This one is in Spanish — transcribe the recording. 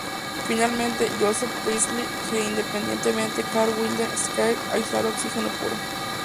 Finalmente, Joseph Priestley e, independientemente, Carl Wilhelm Scheele aíslan oxígeno puro.